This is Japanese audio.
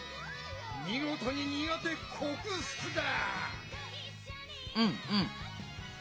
見事に苦手克服だ！